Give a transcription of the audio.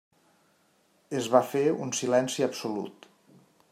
Es va fer un silenci absolut.